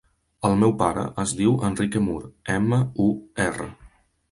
El meu pare es diu Enrique Mur: ema, u, erra.